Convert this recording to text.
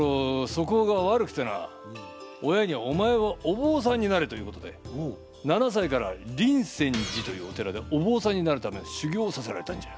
そこうが悪くてな親にお前はおぼうさんになれということで７さいから林泉寺というお寺でおぼうさんになるための修行をさせられたんじゃ。